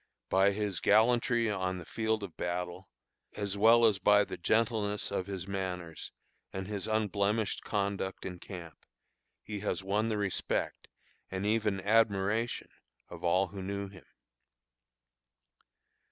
By his gallantry on the field of battle, as well as by the gentleness of his manners and his unblemished conduct in camp, he has won the respect, and even admiration, of all who knew him.